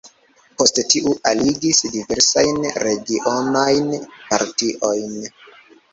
Poste tiu aligis diversajn regionajn partiojn.